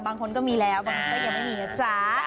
บางคนก็มีแล้วบางคนก็ยังไม่มีนะจ๊ะ